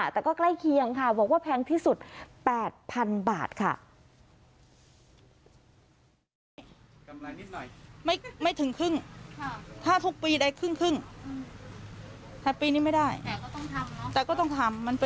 แต่ก็ใกล้เคียงค่ะบอกว่าแพงที่สุด๘๐๐๐บาทค่ะ